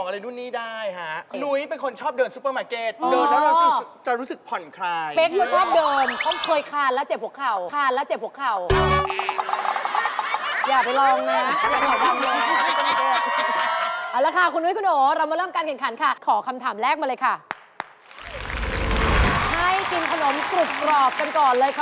รถนี้รถอะไรฮะสำร้อตตุ๊กมอเตอร์ไซค์รถใหญ่รถเมล์รถเมล์รถอีกแด็ค